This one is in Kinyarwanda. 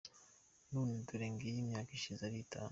None dore ngiyi imyaka ishize ari itanu.